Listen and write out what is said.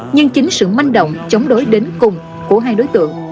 nhưng chính sự manh động chống đối đến cùng của hai đối tượng